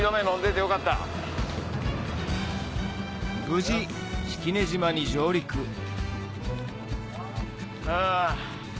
無事式根島に上陸あ。